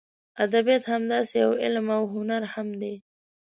ادبیات همداسې یو علم او هنر هم دی.